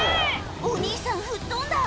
お兄さん吹っ飛んだ！